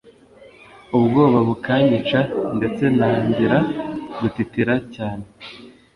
ubwoba bukanyica ndetse ntangira gutitira cyane